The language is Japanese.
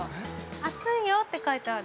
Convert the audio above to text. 熱いよって書いてある。